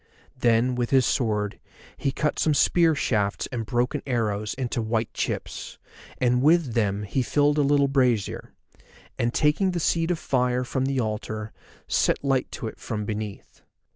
Then with his sword he cut some spear shafts and broken arrows into white chips, and with them he filled a little brazier, and taking the seed of fire from the altar set light to it from beneath.